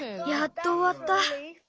やっとおわった。